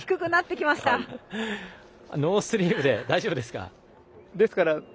ノースリーブで大丈夫です！